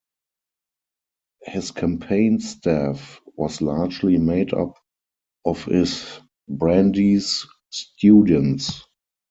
His campaign staff was largely made up of his Brandeis students.